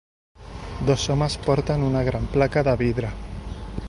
Dos homes porten una gran placa de vidre.